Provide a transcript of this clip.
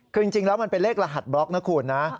คือจริงแล้วมันเป็นเลขรหัสบล็อกนะคุณนะ